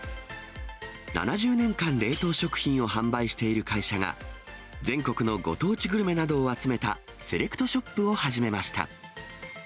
７０年間冷凍食品を販売している会社が、全国のご当地グルメなどを集めたセレクトショップを始めました。